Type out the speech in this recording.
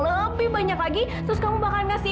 lebih banyak lagi terus kamu bakalan ngasih